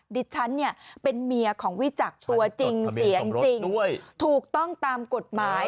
ดิฉันเนี่ยเป็นเมียของวิจักรตัวจริงเสียจริงถูกต้องตามกฎหมาย